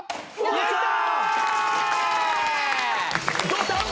やった。